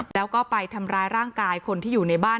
แล้วก็ไปทำร้ายร่างกายคนที่อยู่ในบ้าน